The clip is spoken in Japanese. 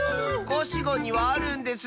コシゴンにはあるんです！